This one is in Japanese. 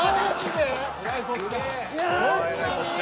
そんなに？